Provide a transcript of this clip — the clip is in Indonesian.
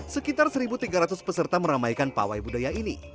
sekitar satu tiga ratus peserta meramaikan pawai budaya ini